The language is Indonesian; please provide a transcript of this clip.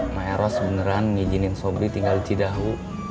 naya ros sebenern ngijinin sobri tinggal di cidahu